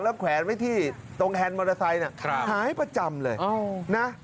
แล้วแขวนไว้ที่ตรงแฮนด์มอเตอร์ไซค์หายประจำเลยนะ